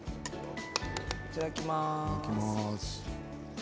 いただきます。